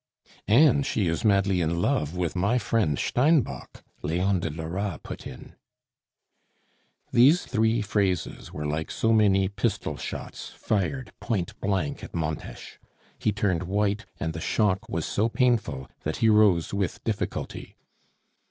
"And she is madly in love with my friend Steinbock," Leon de Lora put in. These three phrases were like so many pistol shots fired point blank at Montes. He turned white, and the shock was so painful that he rose with difficulty.